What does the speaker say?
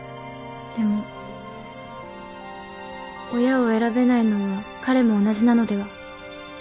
でも親を選べないのは彼も同じなのでは？